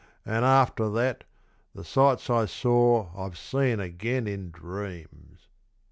An', after that, the sights I saw I've seen again in dreams.